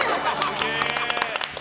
すげえ。